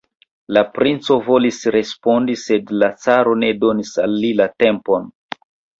La princo volis respondi, sed la caro ne donis al li la tempon.